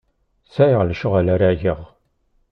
Sɛiɣ lecɣal ara geɣ.